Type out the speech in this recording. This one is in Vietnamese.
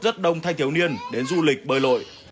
rất đông thanh thiếu niên đến du lịch bơi lội